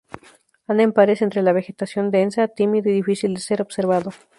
Anda en pares entre la vegetación densa; tímido y difícil de ser observado.